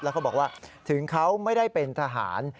เขาบอกว่าถึงเขาไม่ได้เป็นทหาร